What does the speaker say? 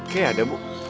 kayaknya ada bu